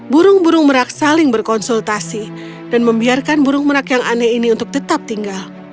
burung burung merak saling berkonsultasi dan membiarkan burung merak yang aneh ini untuk tetap tinggal